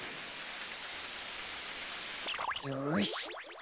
よし。